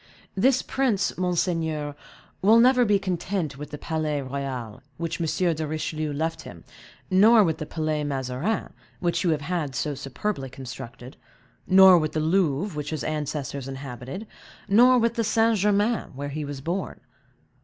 This prince, monseigneur, will never be content with the Palais Royal, which M. de Richelieu left him, nor with the Palais Mazarin, which you have had so superbly constructed, nor with the Louvre, which his ancestors inhabited; nor with St. Germain, where he was born.